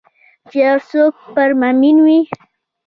چې یو څوک پر مامین وي